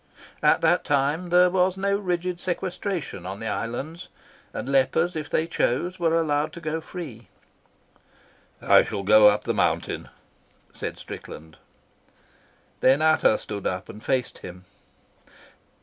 At that time there was no rigid sequestration on the islands, and lepers, if they chose, were allowed to go free. "I shall go up into the mountain," said Strickland. Then Ata stood up and faced him.